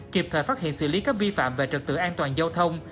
kịp thời phát hiện xử lý các vi phạm về trực tự an toàn giao thông